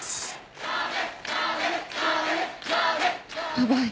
ヤバい